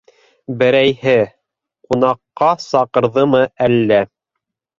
Берәйһе... ҡунаҡҡа саҡырҙымы әллә?